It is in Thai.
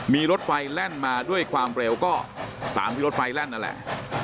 มีรถไฟแล่นมาด้วยความเร็วก็ตามที่รถไฟแล่นนั่นแหละ